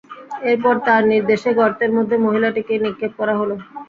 এরপর তার নির্দেশে গর্তের মধ্যে মহিলাটিকে নিক্ষেপ করা হল।